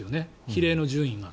比例の順位が。